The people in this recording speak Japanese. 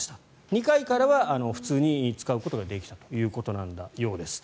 ２回からは普通に使うことができたということのようです。